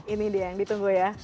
ini dia yang ditunggu ya